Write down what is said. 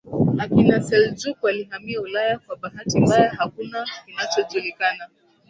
akina Seljuk walihamia Ulaya Kwa bahati mbaya hakuna kinachojulikana